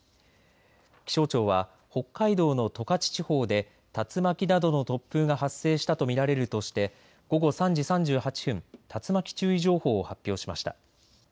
気象庁は北海道の十勝地方で竜巻などの突風が発生したと見られるとして午後３時３８分、竜巻注意情報を発表しました。